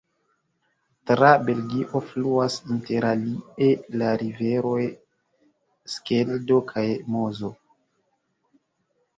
Tra Belgio fluas interalie la riveroj Skeldo kaj Mozo.